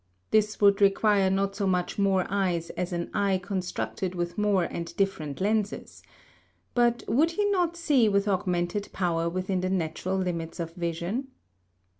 This would require not so much more eyes as an eye constructed with more and different lenses; but would he not see with augmented power within the natural limits of vision?